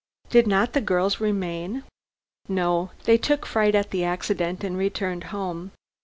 "Did not the girls remain?" "No. They took fright at the accident and returned home.